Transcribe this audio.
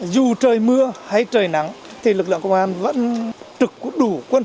dù trời mưa hay trời nắng thì lực lượng công an vẫn trực đủ quân số và đảm bảo an toàn các cái biện pháp phòng chống dịch bệnh